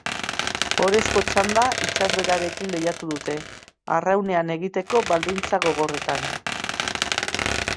Ohorezko txanda itsasbeherarekin lehiatu dute, arraunean egiteko baldintza gogorretan.